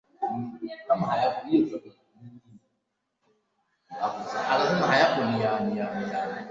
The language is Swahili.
tumegundua uwepo wa idadi kubwa ya watu waliofanya udanganyifu